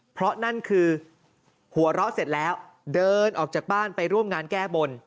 เพราะนั่นคือหัวเราะเสร็จแล้วเดินออกจากบ้านไปร่วมงานแก้บน